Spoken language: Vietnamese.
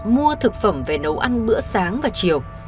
mua thực phẩm về nấu ăn bữa sáng và chiều